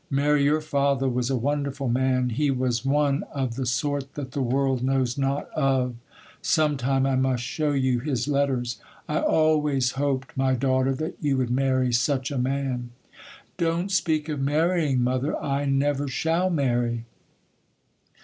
Mary, your father was a wonderful man; he was one of the sort that the world knows not of; sometime I must show you his letters. I always hoped, my daughter, that you would marry such a man.' 'Don't speak of marrying, mother. I never shall marry.